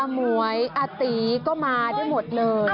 หมวยอาตีก็มาได้หมดเลย